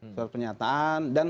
membuat pernyataan dan